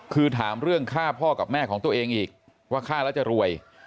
คือถามเรื่องฆ่าพ่อกับแม่ของตัวเองอีกว่าฆ่าแล้วจะรวย